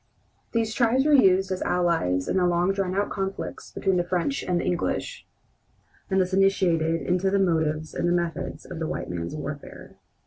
These tribes were used as allies in the long drawn out conflicts between the French and the English, and thus initiated into the motives and the methods of the white man's warfare.